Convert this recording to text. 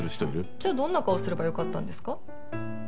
じゃあどんな顔すればよかったんですか？